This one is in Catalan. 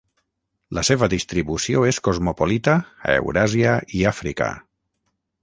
La seva distribució és cosmopolita a Euràsia i Àfrica.